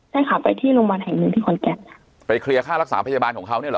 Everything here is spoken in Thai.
ใช่ค่ะไปที่โรงพยาบาลแห่งหนึ่งที่ขอนแก่นไปเคลียร์ค่ารักษาพยาบาลของเขาเนี่ยเหรอ